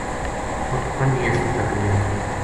اُت پنجی اُسو تک رہیا